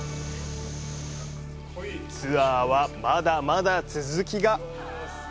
ツアーはまだまだ続きが！